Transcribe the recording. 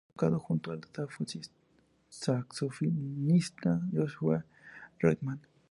Además, ha tocado junto al saxofonista Joshua Redman.